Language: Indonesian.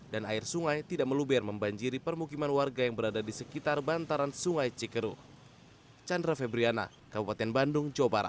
dan air sungai tidak melubir membanjiri permukiman warga yang berada di sekitar bantaran sungai cekeru